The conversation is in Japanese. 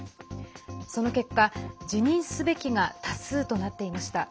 その結果、辞任すべきが多数となっていました。